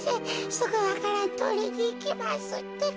すぐわからんとりにいきますってか。